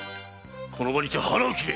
この場にて腹を切れ！